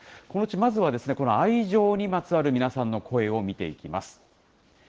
このうちまずは、この愛情にまつわる皆さんの声を見ていきます。